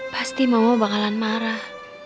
pasti mama bakalan marah